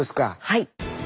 はい。